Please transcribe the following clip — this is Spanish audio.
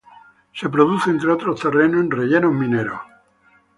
Se produce, entre otros terrenos, en rellenos mineros.